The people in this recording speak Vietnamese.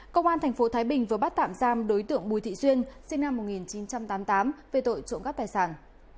công an tp thái bình vừa bắt tạm giam đối tượng bùi thị duyên sinh năm một nghìn chín trăm tám mươi tám về tội trộm cắp tài sản